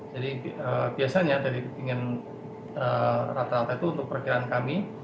jadi biasanya dari ketinggian rata rata itu untuk perkiraan kami